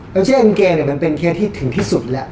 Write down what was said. แล้วก็เชื่อกางเกงเป็นเคสที่ถึงที่สุดแหละ